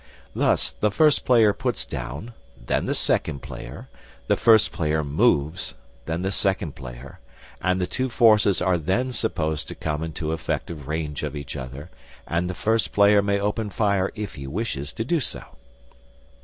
Thus the first player puts down, then the second player, the first player moves, then the second player, and the two forces are then supposed to come into effective range of each other and the first player may open fire if he wishes to do so.